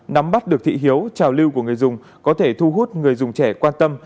nắm bắt được thị hiếu trào lưu của người dùng có thể thu hút người dùng trẻ quan tâm